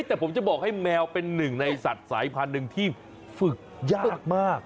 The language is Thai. แต่ผมจะบอกให้แมวเป็นหนึ่งในสัตว์สายพันธุ์หนึ่งที่ฝึกยากมาก